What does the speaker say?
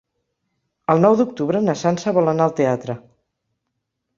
El nou d'octubre na Sança vol anar al teatre.